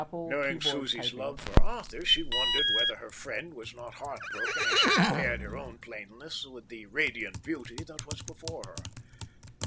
Knowing Susie's love for Arthur, she wondered whether her friend was not heartbroken as she compared her own plainness with the radiant beauty that was before her.